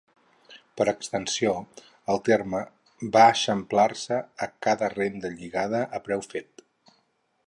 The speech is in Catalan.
Per extensió el terme va eixamplar-se a cada renda lligada a preu fet.